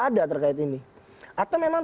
ada terkait ini atau memang